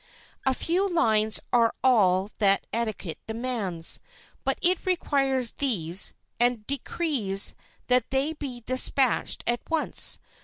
A few lines are all that etiquette demands, but it requires these, and decrees that they be despatched at once.